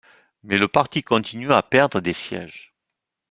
Mais le parti continue à perdre des sièges.